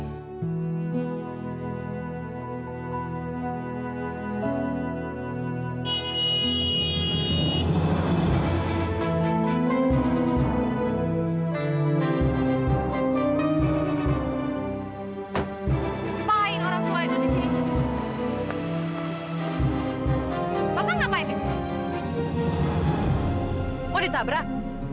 apaan orang tua itu disini papa ngapain disini mau ditabrak